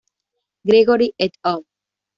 Gregory, "et al.